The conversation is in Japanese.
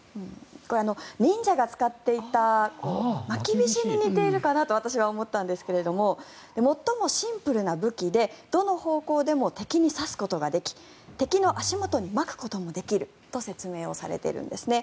忍者が使っていたまきびしに似ているかなと私は思ったんですが最もシンプルな武器でどの方向でも敵に刺すことができ敵の足元にまくこともできると説明されているんですね。